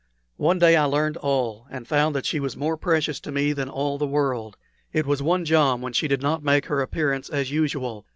One day I learned all, and found that she was more precious to me than all the world. It was one jom when she did not make her appearance as usual.